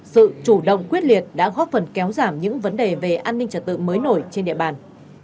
sự chủ động quyết liệt đã góp phần kéo giảm những vấn đề về an ninh trật tự mới nổi trên địa bàn